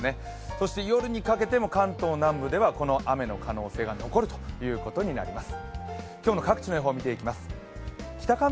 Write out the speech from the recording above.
そして夜にかけても関東南部ではこの雨の可能性が残るということになります。